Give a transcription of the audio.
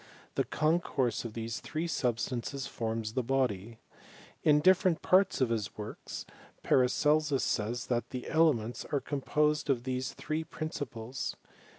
The concourse of these three substances forms the body. In different parts of his works, Paracelsus says, that the elements are com posed of these three principles.